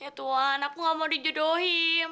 ya tuhan aku gak mau dijodohin